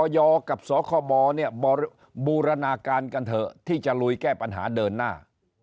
กับสคบูรณาการกันเถอะที่จะลุยแก้ปัญหาเดินหน้า